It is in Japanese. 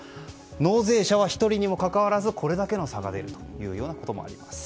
納税者は１人にもかかわらずこれだけの差が出るということもあります。